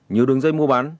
nhiều đường dây mua bán